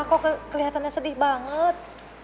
kok kelihatannya sedih banget